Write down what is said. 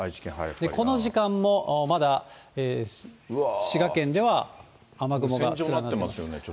この時間もまだ滋賀県では雨雲が連なってますね。